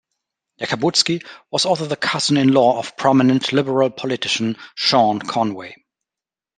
Yakabuski was also the cousin-in-law of prominent Liberal politician Sean Conway.